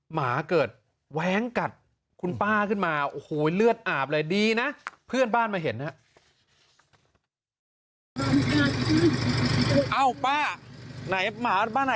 หมาเกิดแว้งกัดคุณป้าขึ้นมาโอ้โหเลือดอาบเลยดีนะเพื่อนบ้านมาเห็นนะครับ